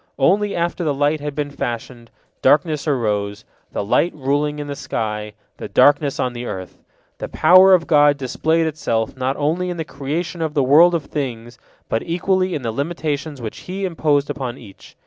Only after the light had been fashioned, darkness arose, the light ruling in the sky, the darkness on the earth. The power of God displayed itself not only in the creation of the world of things, but equally in the limitations which He imposed upon each.